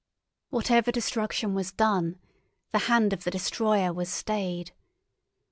Whatever destruction was done, the hand of the destroyer was stayed.